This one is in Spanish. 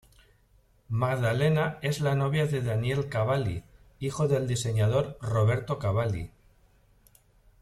Magdalena es la novia de Daniele Cavalli, hijo del diseñador Roberto Cavalli.